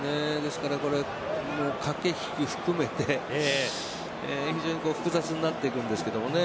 駆け引き含めて非常に複雑になっていくんですけどね。